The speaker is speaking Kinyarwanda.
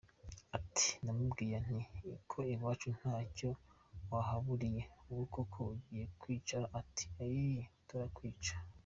Ati “Namubwiye nti ‘ko iwacu ntacyo wahaburiye, ubu koko ugiye kunyica, ati ‘Iiii, turakwica’.